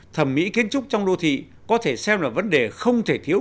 thẩm mỹ kiến trúc trong đô thị có thể xem là vấn đề không thể thiếu